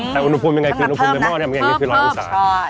แต่อุณหภูมิอย่างไรคืออุณหภูมิในหม้อนี้มันอย่างไรของคือร้อนอุตสาหกใช่